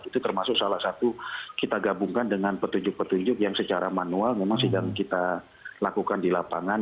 itu termasuk salah satu kita gabungkan dengan petunjuk petunjuk yang secara manual memang sedang kita lakukan di lapangan